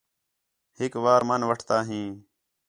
ہِک وار من وٹھتا ہیں